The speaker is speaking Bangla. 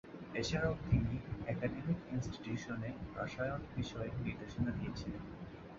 এছাড়াও তিনি একাডেমিক ইনস্টিটিউশনে রসায়ন বিষয়ে নির্দেশনা দিয়েছিলেন।